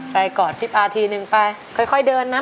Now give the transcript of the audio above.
ไปกอดพี่ป้าทีหนึ่งไปค่อยค่อยเดินนะ